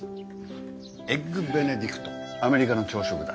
エッグベネディクトアメリカの朝食だ。